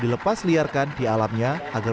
dilepas liarkan di alamnya agar